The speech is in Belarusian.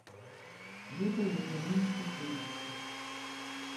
Гэта іх даніна культурнасці.